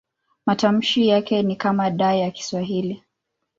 Matamshi yake ni kama D ya Kiswahili.